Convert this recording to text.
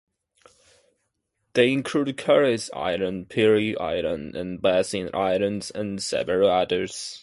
They include Kelleys Island, Pelee Island, the Bass Islands, and several others.